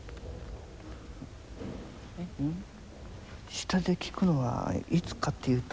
下で聴くのはいつかっていうと？